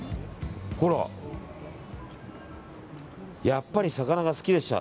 やっぱり魚が好きでした。